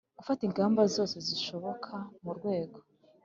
Gufata ingamba zose zishoboka mu rwego